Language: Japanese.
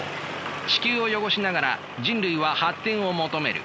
地球を汚しながら人類は発展を求める。